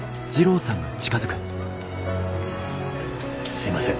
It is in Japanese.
すいません